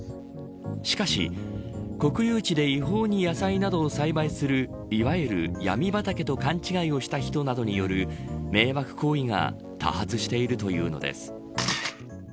しかし、国有地で違法に野菜などを栽培するいわゆるヤミ畑と勘違いをした人などによる迷惑行為が多発しているというのです。